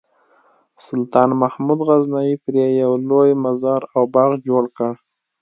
سلطان محمود غزنوي پرې یو لوی مزار او باغ جوړ کړ.